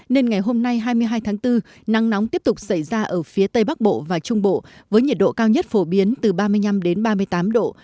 nên ngày hôm nay hai mươi hai tháng bốn nắng nóng tiếp tục xảy ra ở phía tây bắc bộ và trung bộ với nhiệt độ cao nhất phổ biến từ ba mươi năm ba mươi tám độ